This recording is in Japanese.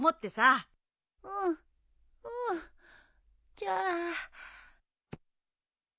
じゃあ。